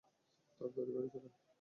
তাড়াতাড়ি গাড়ি চালাও।